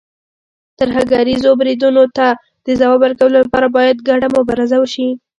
ترهګریزو بریدونو ته د ځواب ورکولو لپاره، باید ګډه مبارزه وشي.